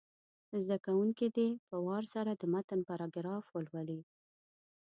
زده کوونکي دې په وار سره د متن پاراګراف ولولي.